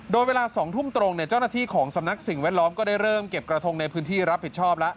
โดยเวลา๒ทุ่มตรงเจ้าหน้าที่ของสำนักสิ่งแวดล้อมก็ได้เริ่มเก็บกระทงในพื้นที่รับผิดชอบแล้ว